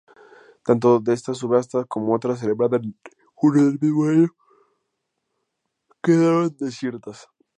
Tanto esta subasta como otra celebrada en junio del mismo año quedaron desiertas.